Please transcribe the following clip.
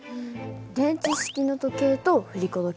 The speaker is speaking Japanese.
電池式の時計と振り子時計。